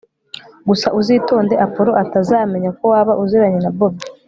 gusa uzitonde appolo atazamenya ko waba uziranye na bobi